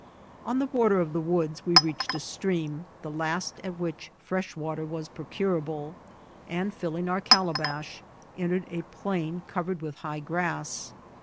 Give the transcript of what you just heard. On the border of the woods we reached a stream, the last at which fresh water was procurable, and filling our calabadi, mtered a plain cotered with high grass.